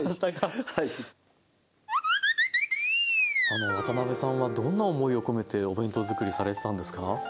あの渡辺さんはどんな思いを込めてお弁当作りされてたんですか？